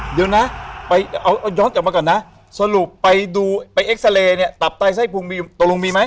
เดี๋ยวนะย้อนออกมาก่อนนะสรุปไปออกไปเอ็กซาเรย์ตับใจไส่ภูมิตัวลุงมีไหม